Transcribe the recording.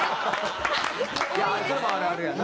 ああそれもあるあるやな。